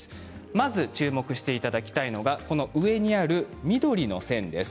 まず注目していただきたいのが上にある緑の線です。